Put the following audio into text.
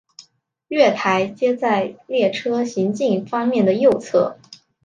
月台皆在列车行进方面的右侧。